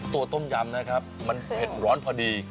ต้มยำนะครับมันเผ็ดร้อนพอดี